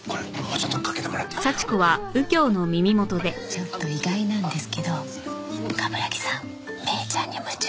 ちょっと意外なんですけど冠城さん芽依ちゃんに夢中みたいですね。